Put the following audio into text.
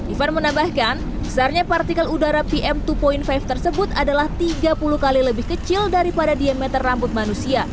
ivan menambahkan besarnya partikel udara pm dua lima tersebut adalah tiga puluh kali lebih kecil daripada diameter rambut manusia